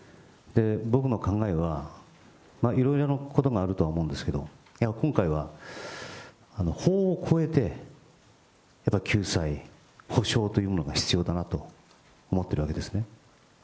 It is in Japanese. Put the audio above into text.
僕の考えは、いろいろなことがあると思うんですけど、今回は法を超えて、救済、補償というものが必要だなと思っているわけですね。